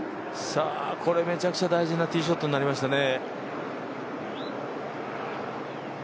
これ、めちゃくちゃ大事なティーショットになりましたね。